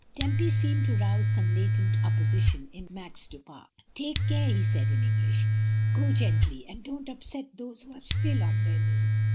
Tempy seemed to rouse some latent opposition in Max du Pare "Take care," he said in English; "go gently, and don't upset those who are still on their knees.